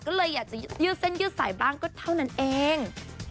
ก็เลยอยากจะยืดเส้นยืดสายบ้างก็เท่านั้นเอง